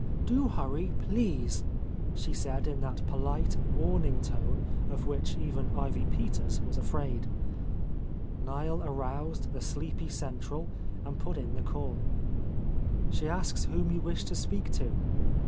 "Do hurry, please," she said in that polite, warn ing tone of which even Ivy Peters was afraid. Niel aroused the sleepy central and put in the call. "She asks whom you wish to speak to?"